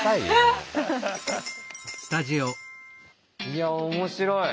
いや面白い。